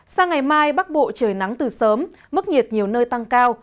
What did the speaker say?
sang ngày mai bắc bộ trời nắng từ sớm mức nhiệt nhiều nơi tăng cao